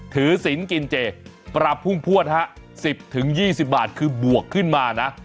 ถือศิลป์กินเจปรับพุ่งพวดฮะ๑๐๒๐บาทคือบวกขึ้นมานะ